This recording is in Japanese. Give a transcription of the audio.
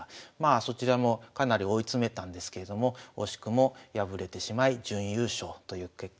そちらもかなり追い詰めたんですけれども惜しくも敗れてしまい準優勝という結果に終わっています。